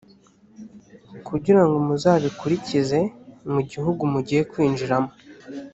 kugira ngo muzabikurikize mu gihugu mugiye kwinjiramo